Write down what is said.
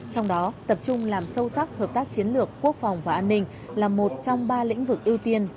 trong đó tập trung làm sâu sắc hợp tác chiến lược quốc phòng và an ninh là một trong ba lĩnh vực ưu tiên